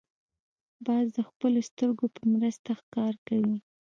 باز د خپلو سترګو په مرسته ښکار کوي